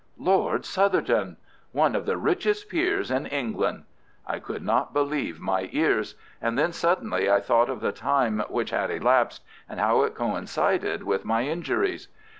Lord Southerton! One of the richest peers in England! I could not believe my ears. And then suddenly I thought of the time which had elapsed, and how it coincided with my injuries.